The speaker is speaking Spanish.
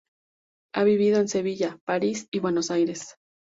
Ha vivido en Sevilla, París y Buenos Aires.